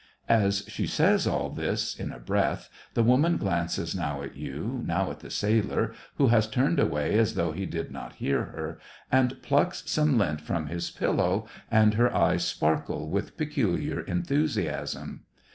As she says all this in a breath, the woman glances now at you, now at the sailor, who has turned away as though he did not hear her and plucks some lint from his pillow, and her eyes sparkle with peculiar enthusiasm.